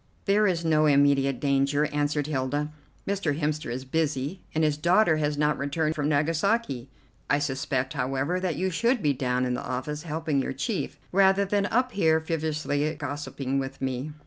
"There is no immediate danger," answered Hilda. "Mr. Hemster is busy, and his daughter has not returned from Nagasaki; I suspect, however, that you should be down in the office helping your chief, rather than up here frivolously gossiping with me."